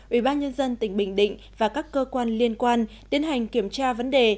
ủy ban nhân dân tỉnh bình định và các cơ quan liên quan tiến hành kiểm tra vấn đề